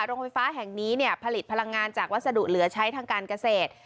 โรงไฟฟ้าแห่งนี้เนี่ยผลิตพลังงานจากวัสดุเหลือใช้ทางการเกษตร